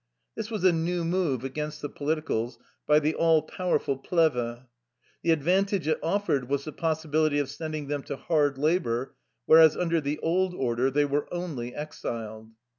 This was a new move against the politicals by the all powerful Plehve. The advantage it offered was the possibility of sending them to hard labor, whereas under the old order they were " only " exiled.